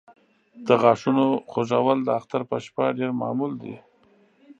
د غاښونو خوږول د اختر په شپه ډېر معمول دی.